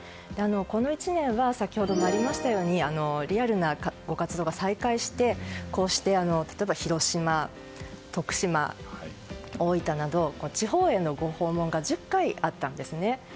この１年は先ほどもありましたようにリアルなご活動が再開して例えば広島、徳島、大分など地方へのご訪問が１０回あったんですね。